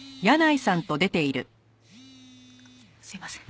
すいません。